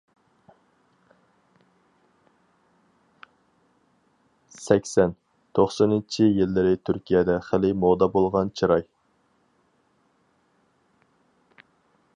سەكسەن، توقسىنىنچى يىللىرى تۈركىيەدە خېلى مودا بولغان چىراي.